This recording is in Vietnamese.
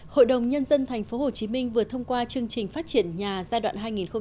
hội đồng nhân dân tp hcm vừa thông qua chương trình phát triển nhà giai đoạn hai nghìn một mươi sáu hai nghìn hai mươi